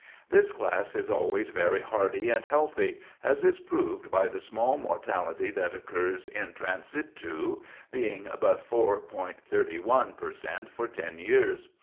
This class is always very hardy and healthy, as is proved by the small mortality that occurs in transitu being but 4.31 per cent for ten years.